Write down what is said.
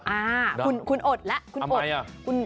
อ่าคุณอดแล้วคุณอด